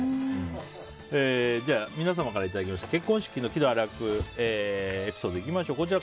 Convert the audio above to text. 皆様からいただいた結婚式の喜怒哀楽エピソードいきましょう。